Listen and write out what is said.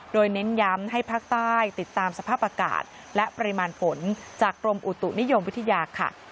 โดยเน้นย้ำให้ภาคใต้ติดตามสภาพอากาศและปริมาณฝนจากกรมอุตุนิยมวิทยาค่ะ